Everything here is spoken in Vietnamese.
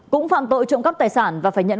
cũng phạm tội trộm cắp tài sản và phải nhận